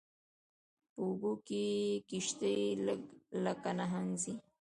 په اوبو کې یې کشتۍ لکه نهنګ ځي